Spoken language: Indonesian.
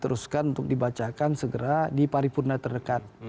teruskan untuk dibacakan segera di paripurna terdekat